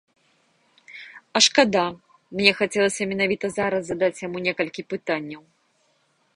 А шкада, мне хацелася менавіта зараз задаць яму некалькі пытанняў.